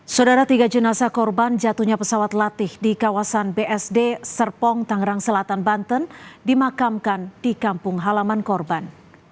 saudara tiga jenazah korban jatuhnya pesawat latih di kawasan bsd serpong tangerang selatan banten dimakamkan di kampung halaman korban